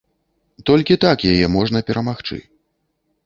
Толькі так яе можна перамагчы.